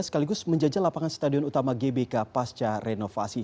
sekaligus menjajah lapangan stadion utama gbk pasca renovasi